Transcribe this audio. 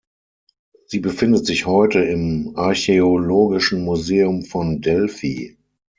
Sie befindet sich heute im Archäologischen Museum von Delphi.